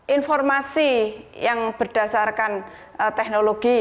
informasi yang berdasarkan teknologi